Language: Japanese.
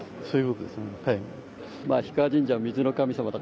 そういうことですね。